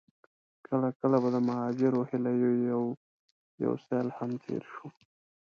کله کله به د مهاجرو هيليو يو يو سيل هم تېر شو.